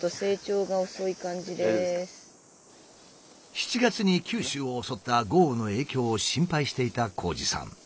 ７月に九州を襲った豪雨の影響を心配していた紘二さん。